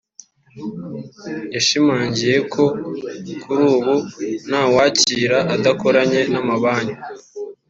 yashimangiye ko kuri ubu nta wakira adakoranye n’amabanki